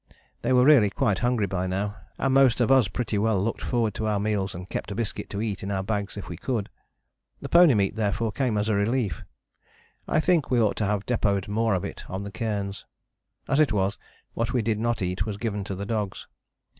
They were really quite hungry by now, and most of us pretty well looked forward to our meals and kept a biscuit to eat in our bags if we could. The pony meat therefore came as a relief. I think we ought to have depôted more of it on the cairns. As it was, what we did not eat was given to the dogs.